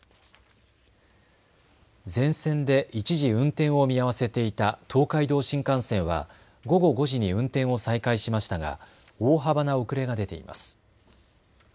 全線で一時、運転を見合わせていた東海道新幹線は午後５時に運転を再開しましたが大幅な遅れが出ています。